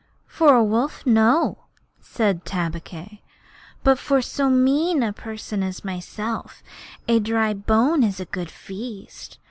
'For a wolf, no,' said Tabaqui; 'but for so mean a person as myself a dry bone is a good feast.